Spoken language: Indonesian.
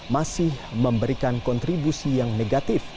masih memberikan kontribusi yang negatif